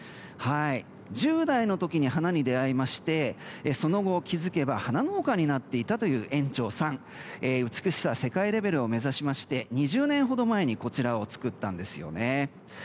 １０代の時に花に出会いましてその後気づけば花農家になっていたという園長さんは美しさ世界レベルを目指しまして２０年ほど前にこちらを作ったんですよね。